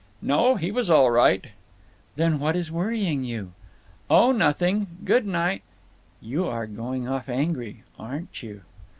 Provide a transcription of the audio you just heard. "No. He was all right." "Then what is worrying you?" "Oh—nothing. Good ni—" "You are going off angry. Aren't you?"